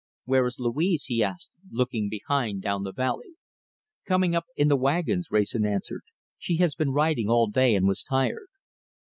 "Where is Louise?" he asked, looking behind down the valley. "Coming up in the wagons," Wrayson answered. "She has been riding all day and was tired."